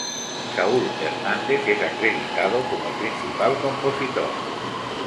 Saúl Hernández es acreditado como el principal compositor.